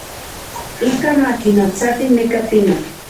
Ikaj ma kinotsati neka pinotl.